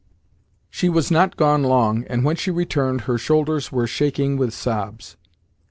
She was not long gone, and when she returned her shoulders were shaking with sobs.